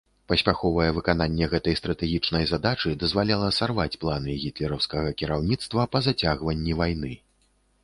Паспяховае выкананне гэтай стратэгічнай задачы дазваляла сарваць планы гітлераўскага кіраўніцтва па зацягванні вайны.